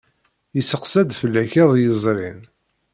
Yesseqsa-d fell-ak iḍ yezrin.